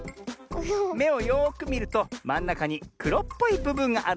めをよくみるとまんなかにくろっぽいぶぶんがあるだろう？